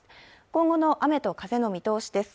今後の雨と風の見通しです。